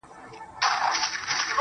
• سم وارخطا.